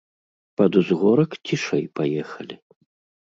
Пад узгорак цішэй паехалі.